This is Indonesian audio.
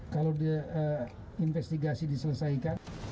kalau investigasi diselesaikan